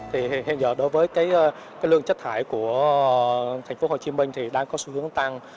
hiện giờ đối với lương chất thải của thành phố hồ chí minh đang có xu hướng tăng